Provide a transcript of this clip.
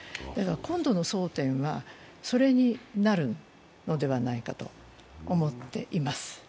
今度の争点は、それになるのではないかと思っています。